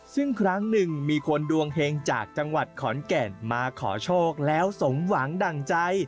ซึ่งครั้งหนึ่งมีคนดวงเฮงจากจังหวัดขอนแก่นมาขอโชคแล้วสมหวังดั่งใจ